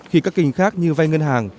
khi các kinh khác như vai ngân hàng